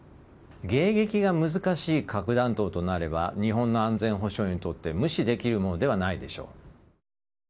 迎撃が難しい核弾頭となれば日本の安全保障にとって無視できるものではないでしょう。